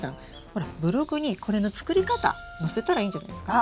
ほらブログにこれの作り方載せたらいいんじゃないですか？